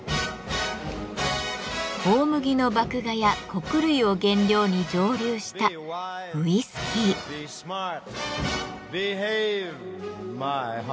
大麦の麦芽や穀類を原料に蒸留したウイスキー。